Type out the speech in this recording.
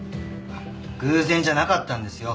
偶然じゃなかったんですよ。